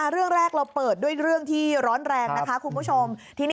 เรื่องแรกเราเปิดด้วยเรื่องที่ร้อนแรงนะคะคุณผู้ชม